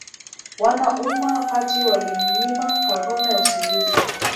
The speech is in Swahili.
Wana Umma Party walimnyima Karume usingizi